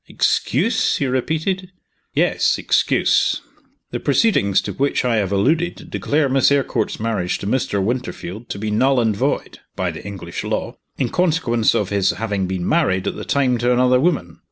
"Excuse!" he repeated. "Yes excuse. The proceedings to which I have alluded declare Miss Eyrecourt's marriage to Mr. Winterfield to be null and void by the English law in consequence of his having been married at the time to another woman.